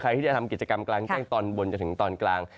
ใครที่จะทำกิจกรรมตอนบนจนถึงตอนกลาง